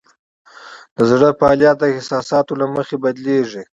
د زړه فعالیت د احساساتو له مخې بدلېږي.